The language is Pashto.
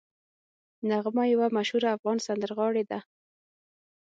نغمه یوه مشهوره افغان سندرغاړې ده